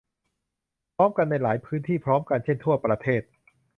พร้อมกันในหลายพื้นที่พร้อมกัน เช่น ทั่วประเทศ